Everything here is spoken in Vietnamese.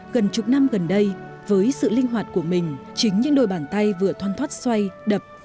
gần chục năm gần đây với sự linh hoạt của mình chính những đôi bàn tay vừa thoan thoát xoay đập